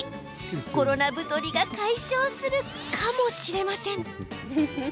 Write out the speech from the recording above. コロナ太りが解消するかもしれません。